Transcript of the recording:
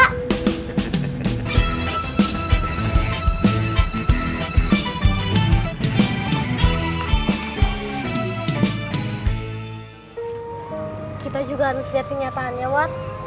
kita juga harus lihat kenyataannya wat